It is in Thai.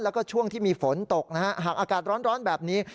แล้วก็ช่วงที่มีฝนตกนะฮะหากอากาศร้อนแบบนี้